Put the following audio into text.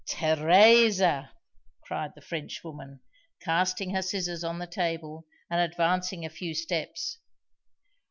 "Teresa!" cried the Frenchwoman, casting her scissors on the table, and advancing a few steps.